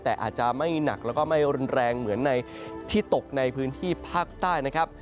แต่อาจจะไม่หนักแล้วก็ไม่รุนแรงเหมือนในที่ตกในพื้นที่ภาคใต้นะครับ